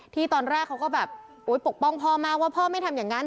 ตอนแรกเขาก็แบบปกป้องพ่อมากว่าพ่อไม่ทำอย่างนั้น